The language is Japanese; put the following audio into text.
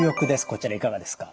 こちらいかがですか？